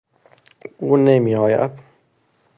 او نمی آید.